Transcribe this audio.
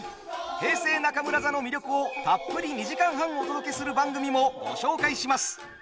平成中村座の魅力をたっぷり２時間半お届けする番組もご紹介します。